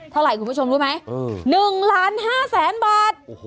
เท่าไหร่คุณผู้ชมรู้ไหม๑ล้าน๕แสนบาท